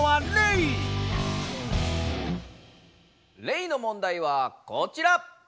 レイの問題はこちら！